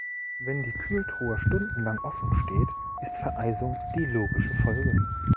Wenn die Kühltruhe stundenlang offen steht, ist Vereisung die logische Folge.